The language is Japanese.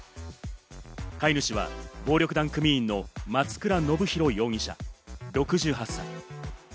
飼い主は暴力団組員の松倉信弘容疑者、６８歳。